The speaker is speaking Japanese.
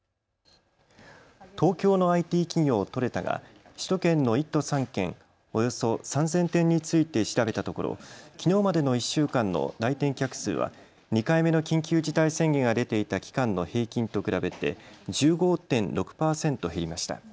東京のＩＴ企業、トレタが首都圏の１都３県およそ３０００店について調べたところきのうまでの１週間の来店客数は２回目の緊急事態宣言が出ていた期間の平均と比べて１５．６％減りました。